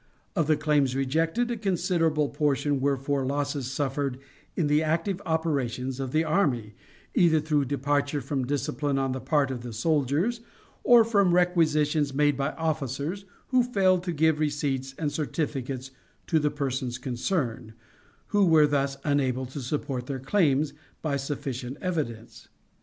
Of the claims rejected, a considerable portion were for losses suffered in the active operations of the army, either through departure from discipline on the part of soldiers, or from requisitions made by officers who failed to give receipts and certificates to the persons concerned, who were thus unable to support their claims by sufficient evidence.